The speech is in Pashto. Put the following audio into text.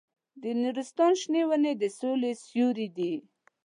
د نورستان شنې ونې د سولې سیوري دي.